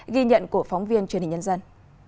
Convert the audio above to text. ghi nhận của phóng viên truyền hình nhân dân